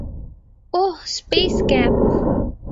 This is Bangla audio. Oh, space camp.